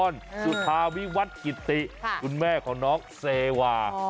สุธาวิวัตรกิติคุณแม่ของน้องเซวา